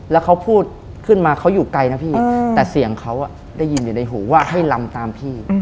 แล้วเขาพูดขึ้นมาเขาอยู่ไกลนะพี่แต่เสียงเขาได้ยินอยู่ในหูว่าให้ลำตามพี่